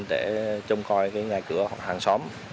để trông coi cái nhà cửa hoặc hàng xóm